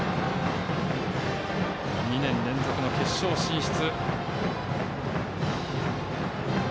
２年連続の決勝進出。